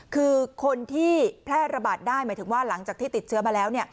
คือคนที่แพร่ระบาดได้หมายถึงว่าหลังจากที่ติดเชื้อมาแล้ว